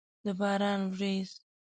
د باران ورېځ!